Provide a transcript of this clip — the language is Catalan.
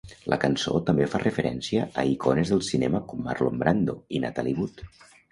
La cançó també fa referència a icones del cinema com Marlon Brando i Natalie Wood.